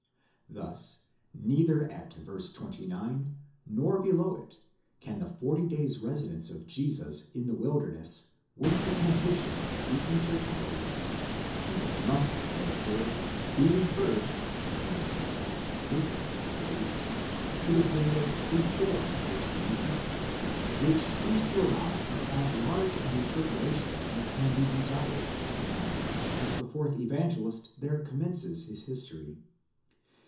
Thus neither at v. 29, nor below it, can the forty days' residence of Jesus in the wilderness with the temptation be intercalated: and it must therefore be referred, according to the plan of Liicke and others," to the period before v. 19, which seems to allow of as large an interpolation as can be desired, inasmuch as the fourth Evangelist there commences his history.